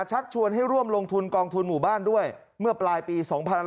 ชักชวนให้ร่วมลงทุนกองทุนหมู่บ้านด้วยเมื่อปลายปี๒๕๕๙